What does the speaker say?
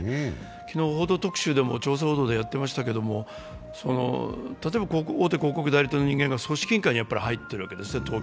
昨日、「報道特集」でも調査報道でやっていましたけども、例えば大手広告代理店の人間が東京オリンピックの組織委員会に入ってるわけですよね。